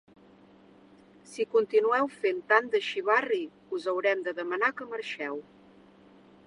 Si continueu fent tant de xivarri, us haurem de demanar que marxeu.